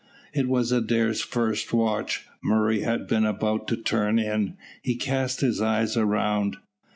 It was Adair's first watch; Murray had been about to turn in. He cast his eyes around.